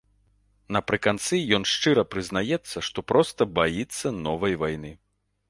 Напрыканцы ён шчыра прызнаецца, што проста баіцца новай вайны.